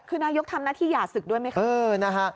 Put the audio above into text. คือนายกทำหน้าที่หย่าศึกด้วยไหมคะ